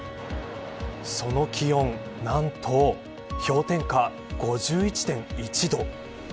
その気温、何と氷点下５１．１度。